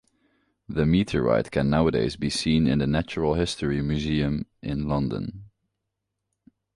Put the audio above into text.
The meteorite can nowadays be seen in the Natural History Museum in London.